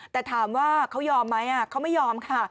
แต่ถามว่าเขายอมไหมเขาไม่ยอมค่ะ